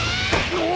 うわ！